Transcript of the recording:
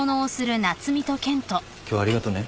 今日はありがとね。